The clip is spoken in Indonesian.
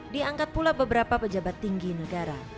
diangkat pula beberapa pejabat tinggi negara